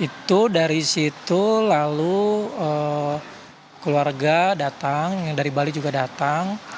itu dari situ lalu keluarga datang yang dari bali juga datang